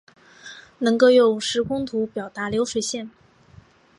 能够用时空图表达流水线